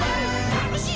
たのしい